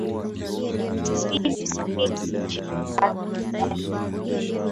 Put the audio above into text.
mbili na mbili Nchi imebaki na idadi kubwa ya